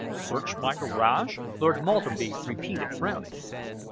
"Search my garage?" Lord Maltenby repeated, frowning.